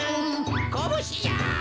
こぶしじゃ！